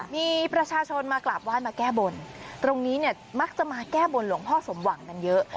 มีประชาชนมากราบไหว้มาแก้บนตรงนี้เนี่ยมักจะมาแก้บนหลวงพ่อสมหวังกันเยอะ